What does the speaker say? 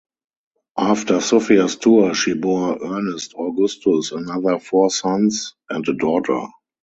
After Sophia's tour, she bore Ernest Augustus another four sons and a daughter.